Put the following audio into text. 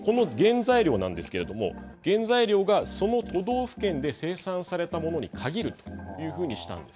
この原材料なんですけれども原材料がその都道府県で生産されたものに限る。